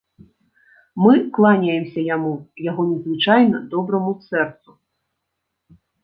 Мы кланяемся яму, яго незвычайна добраму сэрцу.